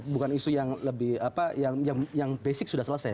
bukan isu yang lebih yang basic sudah selesai